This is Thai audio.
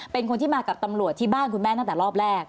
เป็นคนที่มากับตำรวจที่บ้านคุณแม่ตั้งแต่รอบแรก